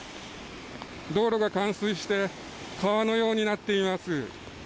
道路が冠水して川のようになっています。